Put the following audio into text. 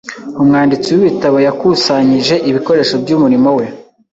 Umwanditsi w'ibitabo yakusanyije ibikoresho by'umurimo we.